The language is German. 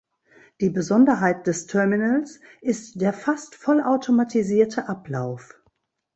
Die Besonderheit des Terminals ist der fast vollautomatisierte Ablauf.